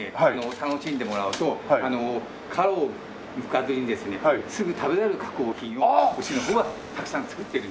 楽しんでもらおうと皮をむかずにですねすぐ食べられる加工品をうちの方はたくさん作ってる。